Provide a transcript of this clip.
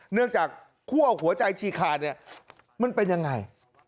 เนื่องจากคั่วหัวใจฉีกขาดเนี่ยมันเป็นยังไง